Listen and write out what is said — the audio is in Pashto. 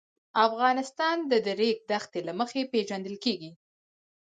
افغانستان د د ریګ دښتې له مخې پېژندل کېږي.